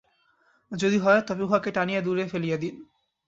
যদি হয়, তবে উহাকে টানিয়া দূরে ফেলিয়া দিন।